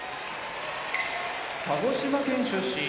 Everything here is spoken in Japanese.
鹿児島県出身